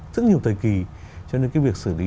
rất nhiều thời kỳ cho nên cái việc xử lý